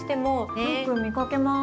よく見かけます。